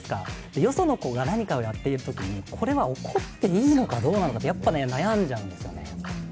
よその子が何かをやっているときにこれは怒っていいのかどうなのか、やっぱ悩んじゃうんですよね。